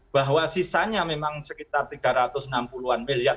bahwa sisanya memang sekitar tiga ratus enam puluh an miliar